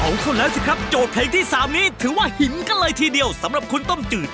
เอาเข้าแล้วสิครับโจทย์เพลงที่๓นี้ถือว่าหินกันเลยทีเดียวสำหรับคุณต้มจืด